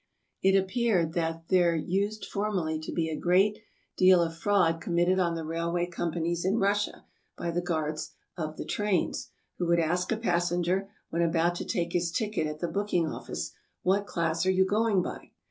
It appeared that there used formerly to be a great deal of fraud committed on the railway companies in Russia by the guards of the trains, who would ask a passenger, when about to take his ticket at the booking office, " What class are you going by